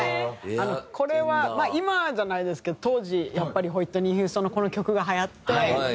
これは今じゃないですけど当時やっぱりホイットニー・ヒューストンのこの曲がはやって。